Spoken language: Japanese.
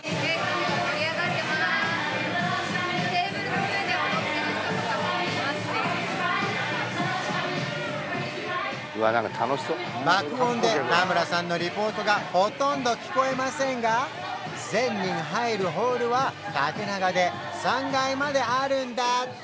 早速爆音で田村さんのリポートがほとんど聞こえませんが１０００人入るホールは縦長で３階まであるんだって！